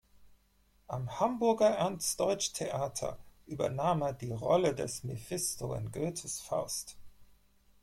Am Hamburger Ernst Deutsch Theater übernahm er die Rolle des "Mephisto" in Goethes "Faust".